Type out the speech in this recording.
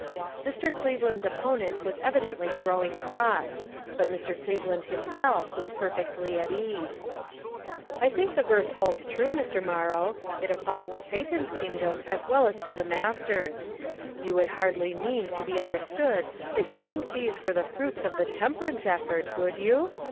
Mr. Cleveland's opponent was evidently growing cross. But Mr. Cleveland himself was perfectly at ease. PARALLELS. 313 "I think the verse holds true, Mr. Mor row ; it applies to Satan's kingdom as well as to the Master's. You would hardly mean to be understood that you think these were the fruits of the temperance effort, would you?